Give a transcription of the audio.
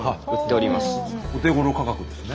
お手ごろ価格ですね。